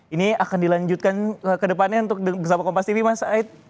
ini akan dilanjutkan kedepannya untuk bersama kompas tv mas ait